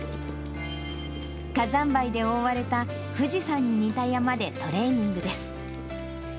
火山灰で覆われた富士山に似た山でトレーニングです。